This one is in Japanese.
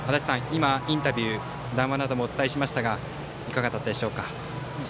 今インタビュー、談話などもお伝えしましたがいかがだったでしょうか？